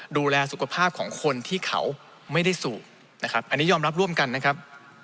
ดูแลสุขภาพของคนที่เขาไม่ได้สูบนะครับอันนี้ยอมรับร่วมกันนะครับ